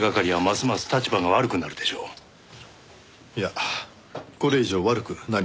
いやこれ以上悪くなりようがありませんが。